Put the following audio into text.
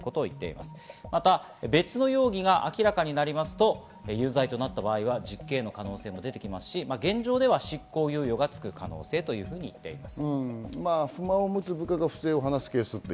また別の容疑が明らかになりますと、有罪となった場合は実刑への可能性も出てきますし、現状では執行猶予がつく可能性と言っています。